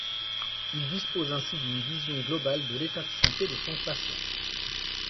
Il dispose ainsi d’une vision globale de l’état de santé de son patient.